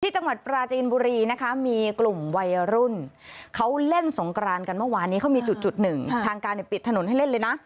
จังหวัดปราจีนบุรีนะคะมีกลุ่มวัยรุ่นเขาเล่นสงกรานกันเมื่อวานนี้เขามีจุดหนึ่งทางการปิดถนนให้เล่นเลยนะ